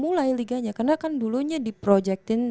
mulai liganya karena kan dulunya diprojektin